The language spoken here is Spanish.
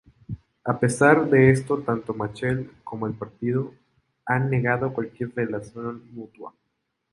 A pesar de esto, tanto Machel como el partido han negado cualquier relación mutua.